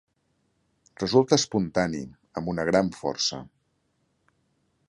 Resulta espontani, amb una gran força.